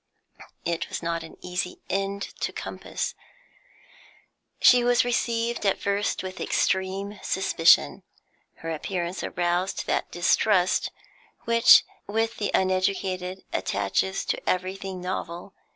It was not an easy end to compass. She was received at first with extreme suspicion; her appearance aroused that distrust which with the uneducated attaches to everything novel.